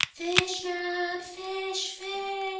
"Fish, Nab, fish, fish!"